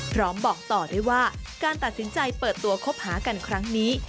บอกต่อด้วยว่าการตัดสินใจเปิดตัวคบหากันครั้งนี้